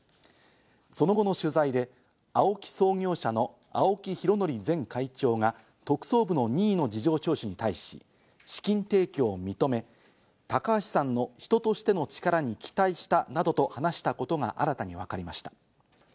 その後の取材でＡＯＫＩ創業者の青木拡憲前会長が特捜部の任意の事情聴取に対し、資金提供を認め、高橋さんの人としての力に期待したなどと話したことが新たに分かりました。